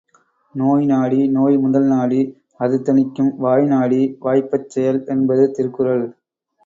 நோய்நாடி நோய்முதல் நாடி அதுதணிக்கும் வாய்நாடி வாய்ப்பச் செயல் என்பது திருக்குறள்.